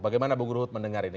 bagaimana bu guruhud mendengar ini